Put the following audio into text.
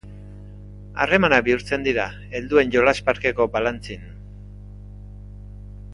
Harremanak bihurtzen dira helduen jolas-parkeko balantzin.